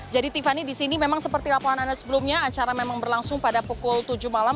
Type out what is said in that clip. jadi tiffany di sini memang seperti laporan anda sebelumnya acara memang berlangsung pada pukul tujuh malam